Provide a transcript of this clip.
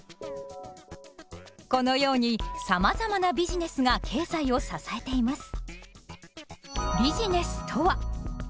このようにさまざまなビジネスが経済を支えています。